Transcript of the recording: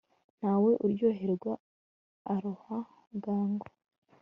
Nta we uryoherwa aroha bwangu